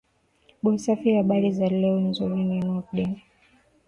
bo safi habari za leo nzuri tu nurdin